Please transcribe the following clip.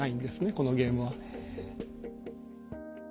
このゲームは。